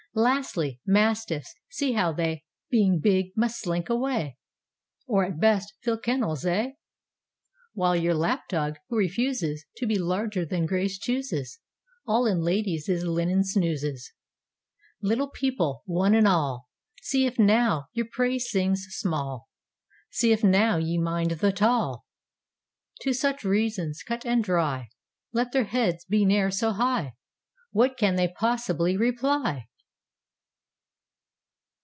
Lastly, mastiffs. See how they, Being big, must slink away, Or, at best, fill kennels—eh?—While your lap dog, who refusesTo be larger than grace chooses, All in ladies' linen snoozes. Little people, one and all, See if now your praise sings small; See if now ye mind the tall! To such reasons cut and dry, Let their heads be ne'er so high, What can they possibly reply?